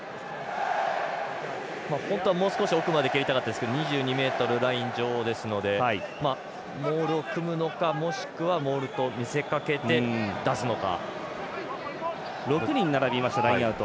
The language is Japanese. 本当はもう少し奥まで蹴りたかったですけど２２ｍライン上ですのでモールを組むのかもしくはモールを見せかけて出すのか。